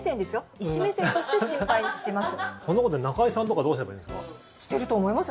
医師目線として心配してます。